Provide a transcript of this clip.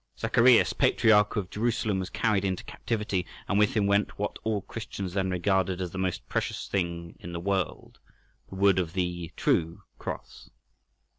Zacharias, Patriarch of Jerusalem, was carried into captivity, and with him went what all Christians then regarded as the most precious thing in the world—the wood of the "True Cross."